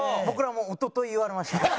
僕らもおととい言われました。